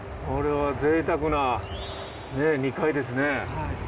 これはぜいたくな２階ですね。